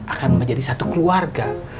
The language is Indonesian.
akan menjadi satu keluarga